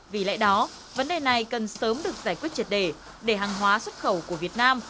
vì lẽ đó vấn đề này cần sớm được giải quyết triệt đề để hàng hóa xuất khẩu của việt nam